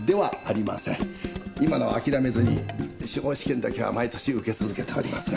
今なおあきらめずに司法試験だけは毎年受け続けておりますが。